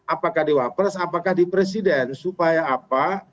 apakah di wapres apakah di presiden supaya apa